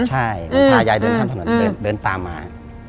ใช่เหมือนพายายเดินข้ามถนนเดินตามมา